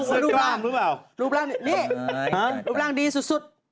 เสื้อกล้ามหรือเปล่าหรือเปล่านี่รูปร่างดีสุด